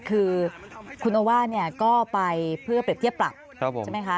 คือคุณโอวาสเนี่ยก็ไปเพื่อเปรียบเทียบปรับใช่ไหมคะ